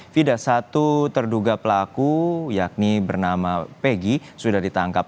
tidak satu terduga pelaku yakni bernama peggy sudah ditangkap